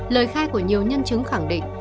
lời khai của nhiều nhân chứng khẳng định